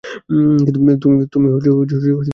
তুমি কত টাকা চাও?